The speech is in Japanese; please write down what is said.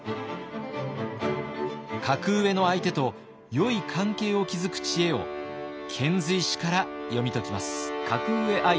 格上の相手とよい関係を築く知恵を遣隋使から読み解きます。